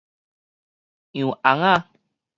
洋尪仔